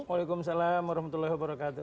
waalaikumsalam rahmatullah wabarakatuh